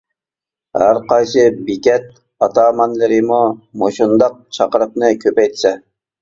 ھەر قايسى بېكەت ئاتامانلىرىمۇ مۇشۇنداق چاقىرىقنى كۆپەيتسە.